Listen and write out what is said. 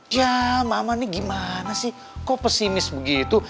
yah mama nih gimana sih kok pesimis begitu